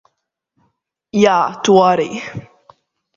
Jā, tu arī.